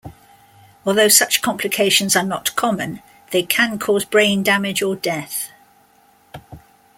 Although such complications are not common, they can cause brain damage or death.